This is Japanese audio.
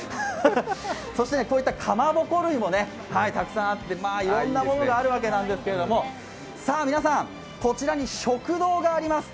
そしてこういったかまぼこ類もたくさんあっていろんなものがあるわけなんですけれども、皆さん、こちらに食堂があります。